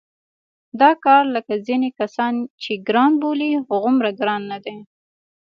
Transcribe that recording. دا کار لکه ځینې کسان چې ګران بولي هغومره ګران نه دی.